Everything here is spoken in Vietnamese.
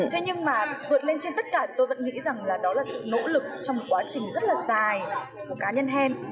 thế nhưng mà vượt lên trên tất cả tôi vẫn nghĩ rằng là đó là sự nỗ lực trong một quá trình rất là dài của cá nhân hen